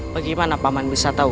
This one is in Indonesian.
bagaimana paman bisa tahu